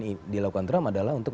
yang dilakukan trump adalah untuk